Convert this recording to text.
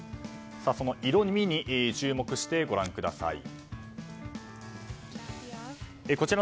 その色味に注目してご覧ください。